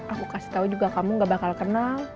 aku kasih tahu juga kamu gak bakal kenal